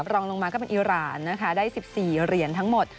รองลงมาก็เป็นอิราณนะคะได้๑๔เหรียญทั้งหมด